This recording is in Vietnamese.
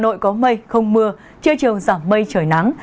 hà nội có mây không mưa chưa trường giảm mây trời nắng